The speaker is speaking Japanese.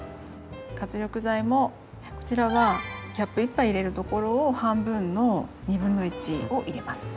活力剤もこちらはキャップ１杯入れるところを半分の1/2を入れます。